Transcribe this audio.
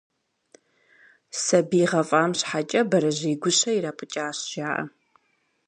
Сабий гъэфӏам щхьэкӏэ, бэрэжьей гущэ ирапӏыкӏащ, жаӏэ.